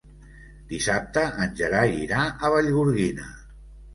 Dissabte en Gerai irà a Vallgorguina.